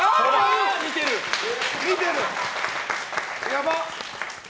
やばっ！